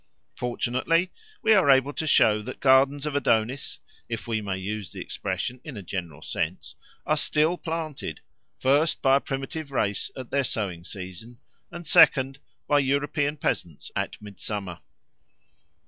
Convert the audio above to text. Fortunately we are able to show that gardens of Adonis (if we may use the expression in a general sense) are still planted, first, by a primitive race at their sowing season, and, second, by European peasants at midsummer.